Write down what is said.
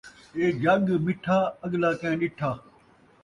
اے جڳ مٹھا اڳلا کیں ݙٹھا